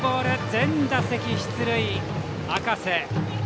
全打席出塁、赤瀬。